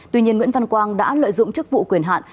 tuy nhiên nguyễn văn quang đã lợi dụng chức vụ quyền hạn